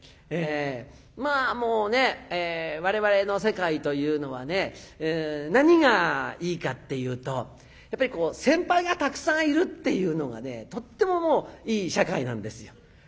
まあもうね我々の世界というのは何がいいかっていうとやっぱりこう先輩がたくさんいるっていうのがとってももういい社会なんですよ。